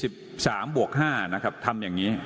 ๒๓บวก๕นะครับทำอย่างนี้